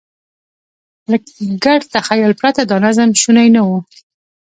له ګډ تخیل پرته دا نظم شونی نه و.